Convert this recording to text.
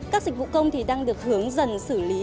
các dịch vụ công thì đang được hướng dần xử lý